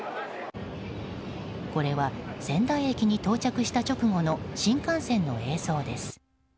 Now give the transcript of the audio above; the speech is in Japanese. これは仙台駅に到着した直後の新幹線の映像です。